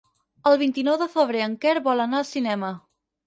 El vint-i-nou de febrer en Quer vol anar al cinema.